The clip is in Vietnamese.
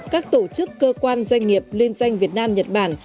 các tổ chức cơ quan doanh nghiệp liên doanh việt nam nhật bản